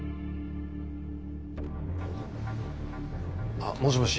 あっもしもし。